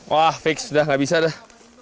wah fix dah nggak bisa dah